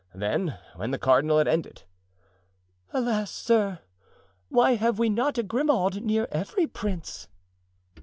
Then, when the cardinal had ended: "Alas, sir! why have we not a Grimaud near every prince?"